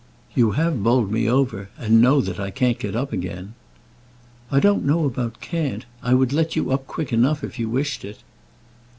"You have bowled me over, and know that I can't get up again." "I don't know about can't. I would let you up quick enough, if you wished it."